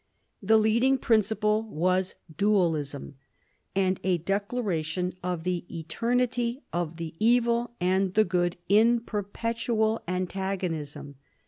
The leading principle was dualism, and a declaration of the eternity of the evil and the good in perpetual antagonism.